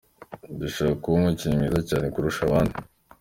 Ndashaka kuba umukinnyi mwiza cyane kurusha abandi.